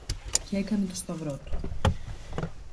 Κι έκανε το σταυρό του.